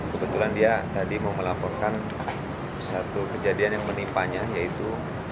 kebetulan dia tadi mau melaporkan satu kejadian yang menimpanya yaitu